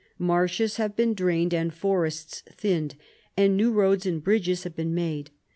Marshes have been drained and forests thinned, and new roads and bridges have been made.